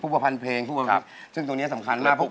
ผู้ประพันธ์เพลงซึ่งตรงนี้สำคัญมาก